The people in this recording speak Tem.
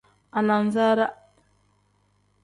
Anasaara.